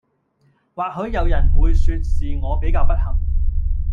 或許人有會說是我比較不幸